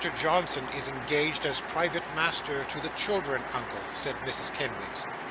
Johnson is engaged as private master to the children, uncle,' said Mrs. Kenwigs.